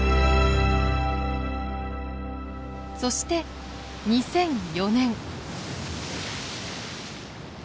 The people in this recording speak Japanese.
そして２００４年。